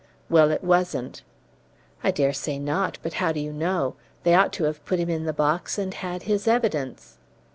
"Well, it wasn't." "I dare say not. But how do you know? They ought to have put him in the box and had his evidence."